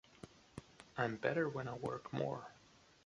I'm better when I work more.